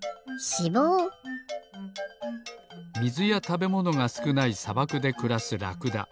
みずやたべものがすくないさばくでくらすラクダ。